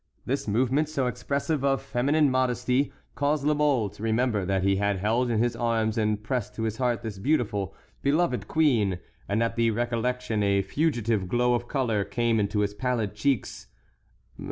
This movement, so expressive of feminine modesty, caused La Mole to remember that he had held in his arms and pressed to his heart this beautiful, beloved queen, and at the recollection a fugitive glow of color came into his pallid cheeks.